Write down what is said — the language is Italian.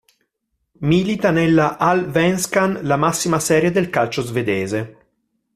Milita nella Allsvenskan, la massima serie del calcio svedese.